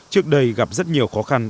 trước đây gặp rất nhiều khó khăn